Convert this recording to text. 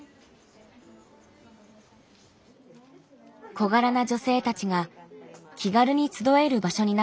小柄な女性たちが気軽に集える場所になっています。